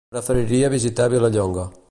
Preferiria visitar Vilallonga.